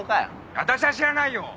私は知らないよ！